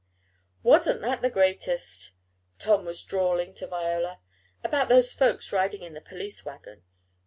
"Wasn't that the greatest," Tom was drawling to Viola, "about those folks riding in the police wagon."